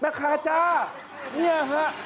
แม่ค้าจ้านี่ฮะ